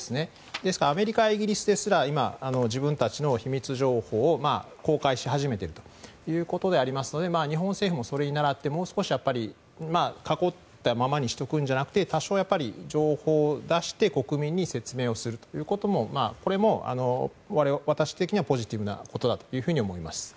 ですからアメリカやイギリスですら今、自分たちの秘密情報を公開し始めているということでありますので日本政府も、それに倣ってもう少し囲ったままにしとくんじゃなくて多少、情報を出して国民に説明をするということもこれも私的にはポジティブなことだと思います。